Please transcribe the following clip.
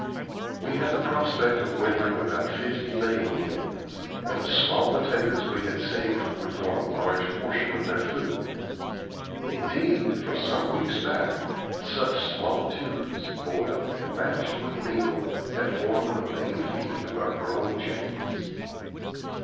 We had the prospect of wintering about fifty laying hens; and the small potatoes we had saved would form a large portion of their food. Indeed, for some weeks back, such small tubers, boiled and mashed with meal, had formed the main feed of our growing chickens.